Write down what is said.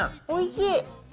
おいしい。